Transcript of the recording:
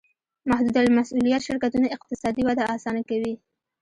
محدودالمسوولیت شرکتونه اقتصادي وده اسانه کوي.